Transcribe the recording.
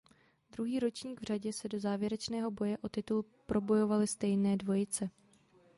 Druhý ročník v řadě se do závěrečného boje o titul probojovaly stejné dvojice.